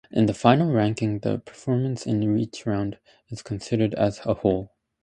In the final ranking, the performance in each round is considered as a whole.